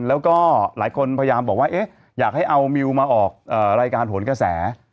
แล้วก็หลายคนพยายามบอกว่าอยากให้เอามิวมาออกรายการโหนกระแส